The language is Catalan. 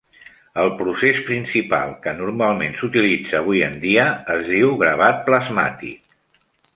El procés principal que normalment s'utilitza avui en dia es diu gravat plasmàtic.